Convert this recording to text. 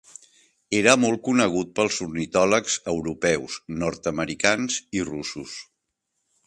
Era molt conegut pels ornitòlegs europeus, nord-americans i russos.